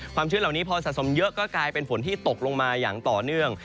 ชื้นเหล่านี้พอสะสมเยอะก็กลายเป็นฝนที่ตกลงมาอย่างต่อเนื่อง